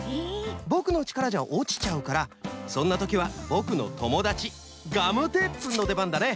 ぼくのちからじゃおちちゃうからそんなときはぼくのともだちガムテープくんのでばんだね！